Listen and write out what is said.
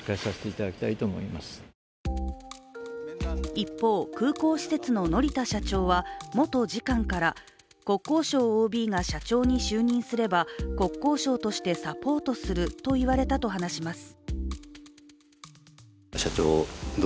一方、空港施設の乗田社長は元次官から国交省ＯＢが社長に就任すれば国交省としてサポートすると言われたと話します。